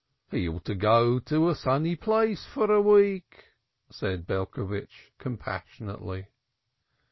"He ought to go to a sunny place for a week," said Belcovitch compassionately.